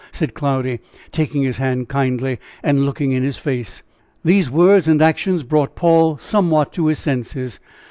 said Cloudy, taking his hand kindly and looking in his face. These words and actions brought Paul somewhat to his senses.